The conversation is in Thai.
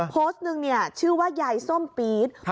โพสต์หนึ่งชื่อว่ายายส้มปี๊ด